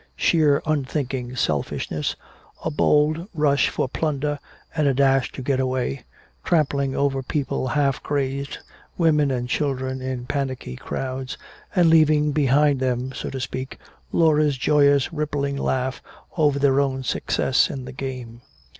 Sheer unthinking selfishness, a bold rush for plunder and a dash to get away, trampling over people half crazed, women and children in panicky crowds, and leaving behind them, so to speak, Laura's joyous rippling laugh over their own success in the game.